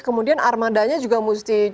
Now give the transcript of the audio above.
kemudian armadanya juga mesti cukup kuat